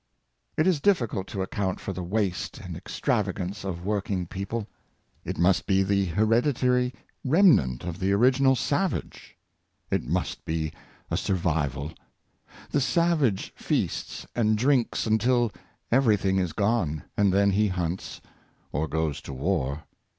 '' It is difficult to account for tne waste and extrava gance of working people. It must be the hereditary remnant of the original savage. It must be a survival. The savage feasts and drinks until everything is gone; and then he hunts or goes to war.